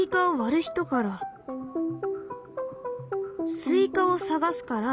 スイカを探すから。